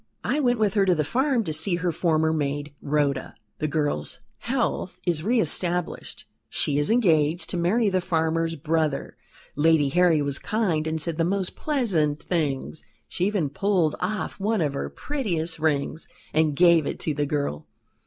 "I went with her to the farm to see her former maid, Rhoda. The girl's health is re established; she is engaged to marry the farmer's brother. Lady Harry was kind, and said the most pleasant things; she even pulled off one of her prettiest rings and gave it to the girl.